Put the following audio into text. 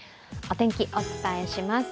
お天気、お伝えします。